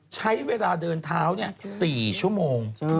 ใช้เวลาเดินเท้า๔ชั่วโมง